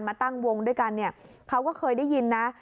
มาตั้งวงด้วยกันเขาก็เคยได้ยินนะ